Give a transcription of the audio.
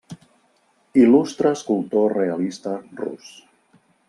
Il·lustre escultor realista rus.